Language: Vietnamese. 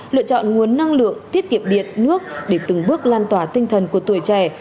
lựa chọn nguồn năng lượng tiết kiệm điện nước để từng bước lan tỏa tinh thần của tuổi trẻ